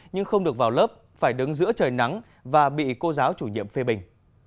nhưng không được vào lớp phải đứng giữa trời nắng và bị cô giáo chủ nhiệm phê bình